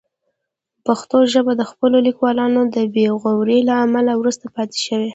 پښتو ژبه د خپلو لیکوالانو د بې غورۍ له امله وروسته پاتې شوې.